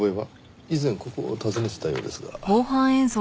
以前ここを訪ねてたようですが。